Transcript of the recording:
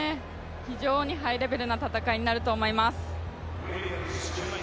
非常にハイレベルな戦いになると思います。